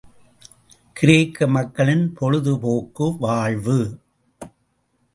கிரேக்க மக்களின் பொழுது போக்கு வாழ்வு.